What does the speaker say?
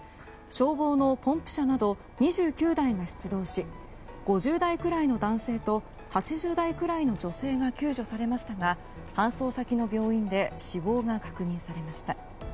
消防のポンプ車など２９台が出動し５０代くらいの男性と８０代くらいの女性が救助されましたが搬送先の病院で死亡が確認されました。